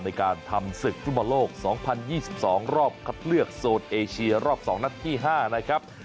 ในการทำศึกธุมโลกสองพันยี่สิบสองรอบคัดเลือกโซดเอเชียรอบสองนัดที่ห้านะครับ